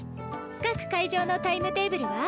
各会場のタイムテーブルは？